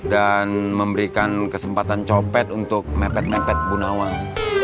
dan memberikan kesempatan copet untuk mepet mepet bu nawang